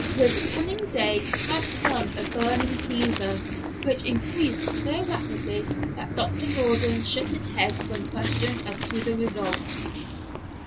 With coming day had come a burning fever, which increased so rapidly that Dr. Gordon shook his head when questioned as to the result.